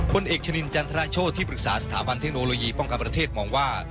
เอกชนินจันทรโชธที่ปรึกษาสถาบันเทคโนโลยีป้องกันประเทศมองว่า